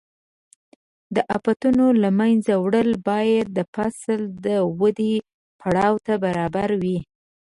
د آفتونو له منځه وړل باید د فصل د ودې پړاو ته برابر وي.